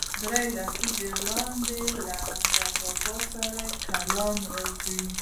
درې لسیزې وړاندې یې له حمزه بابا سره کلام راځي.